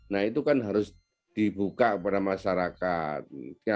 nah itu kan harus dibuka kepada masyarakat